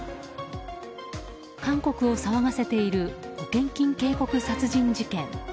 韓国を騒がせている保険金渓谷殺人事件。